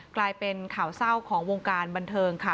กลายเป็นข่าวเศร้าของวงการบันเทิงค่ะ